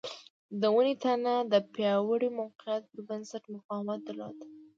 د ونې تنه د پیاوړي موقعیت پر بنسټ مقاومت درلود.